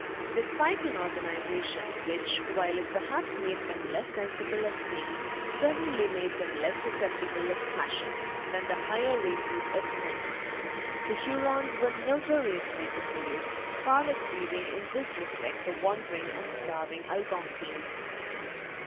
Despite an organization which, while it perhaps made them less sensible of pain, certainly made them less susceptible of passion, than the higher races of men, the Hurons were notoriously dissolute, far exceeding in this respect the wandering and starving Algonquins.